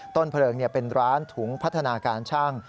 ต้นเพลิงเป็นร้านถุงพัฒนาการช่าง